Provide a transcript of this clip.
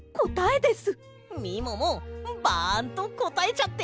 バンとこたえちゃって！